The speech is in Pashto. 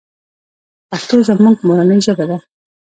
پښتو زموږ مورنۍ ژبه ده.